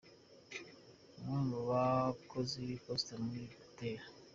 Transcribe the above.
Bamwe mu bakozi b'Iposita bari gutera .